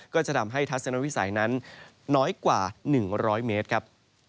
ก็จะทำให้ทัศนวิสัยนั้นน้อยกว่า๑๐๐เมตรครับ